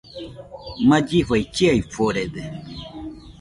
Mallifai chiaforede